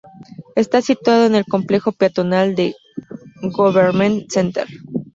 Está situado en el complejo peatonal de Government Center.